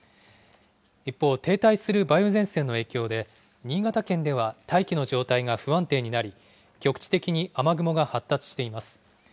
一方、停滞する梅雨前線の影響で、新潟県では大気の状態が不安定になり、局地的に雨雲が発達しています。